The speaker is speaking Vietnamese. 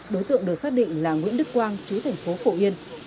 đối tượng được xác định là nguyễn đức quang chú thành phố phổ yên